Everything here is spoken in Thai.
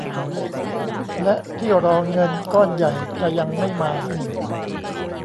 และที่รอเงินก้อนใหญ่จะยังไม่มา